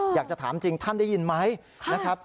อยากจะถามจริงท่านได้ยินไหมนะครับ